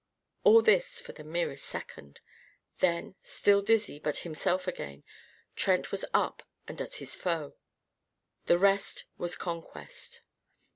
All this for the merest second. Then, still dizzy, but himself again, Trent was up and at his foe. The rest was conquest.